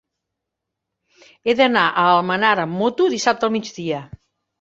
He d'anar a Almenar amb moto dissabte al migdia.